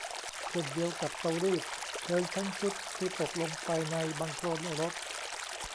เช่นเดียวกับเตารีดเพลิงทั้งชุดที่ตกลงไปในบังโคลนรถ